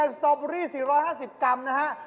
เย็นสตอบบอรี่๔๕๐กรัมนะฮะ